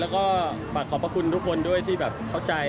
แล้วก็ฝากขอบพระคุณทุกคนด้วยที่แบบเข้าใจ